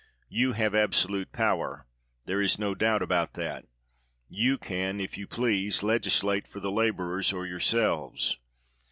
You have absolute power; there is no doubt about that. You can, if you please, legislate for the laborers, or yourselves.